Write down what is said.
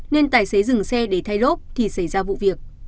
nên tài xế dừng xe để thay lốp thì xảy ra vụ việc